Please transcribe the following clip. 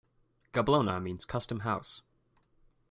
Gablona means custom-house.